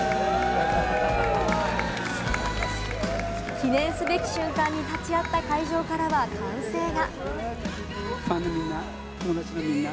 記念すべき瞬間に立ち会った会場からは歓声が。